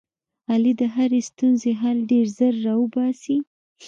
علي د هرې ستونزې حل ډېر زر را اوباسي.